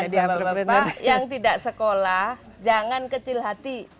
dan bapak bapak yang tidak sekolah jangan kecil hati